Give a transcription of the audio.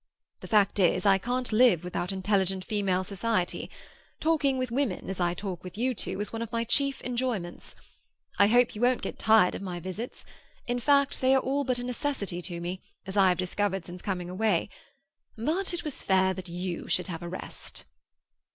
The fact is, I can't live without intelligent female society; talking with women, as I talk with you two, is one of my chief enjoyments. I hope you won't get tired of my visits; in fact, they are all but a necessity to me, as I have discovered since coming away. But it was fair that you should have a rest."